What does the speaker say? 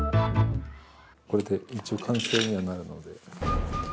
これで一応完成にはなるので。